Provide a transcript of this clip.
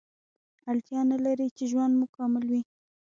اړتیا نلري چې ژوند مو کامل وي